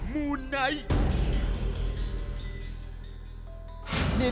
มูไนท์